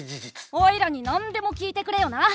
おいらに何でも聞いてくれよな。